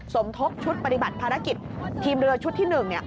สมทบชุดปฏิบัติภารกิจทีมเรือชุดที่๑